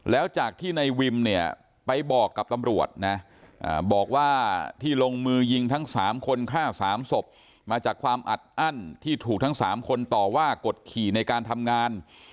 แล้วจากที่ในวิมเนี่ยไปบอกกับตำรวจนะบอกว่าที่ลงมือยิงทั้ง๓คนฆ่า๓ศพมาจากความอัดอั้นที่ถูกทั้ง๓คนต่อว่ากดขี่ในการทำงาน